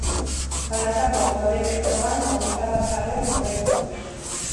Banakako florete proban hogeita batgarren amaitu zuen.